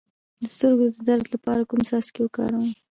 د سترګو د درد لپاره کوم څاڅکي وکاروم؟